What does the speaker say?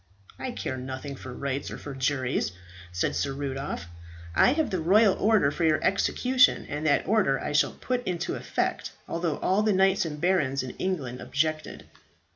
"I care nothing for rights or for juries," said Sir Rudolph. "I have the royal order for your execution, and that order I shall put into effect, although all the knights and barons in England objected."